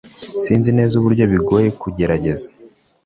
sinzi neza uburyo bigoye kugerageza